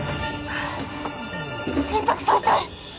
心拍再開